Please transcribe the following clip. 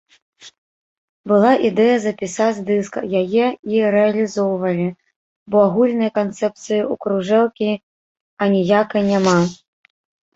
Была ідэя запісаць дыск, яе і рэалізоўвалі, бо агульнай канцэпцыі ў кружэлкі аніякай няма.